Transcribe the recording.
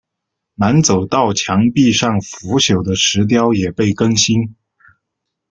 南走道墙壁上腐朽的石雕也被更新。